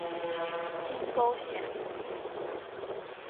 金沟线